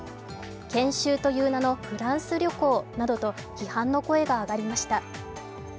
研修という名のフランス旅行などと批判の声が上がりました。